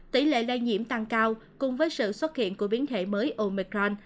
tỷ lệ lây nhiễm tăng cao cùng với sự xuất hiện của biến thể mới omicron